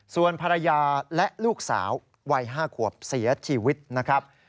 ส่วนภรรยาและลูกสาววัย๕ขวบเสียชีวิตนะครับ